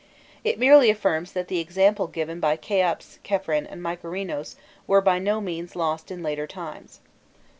It merely affirms that the example given by Kheops, Khephren, and Mykerinos were by no means lost in later times.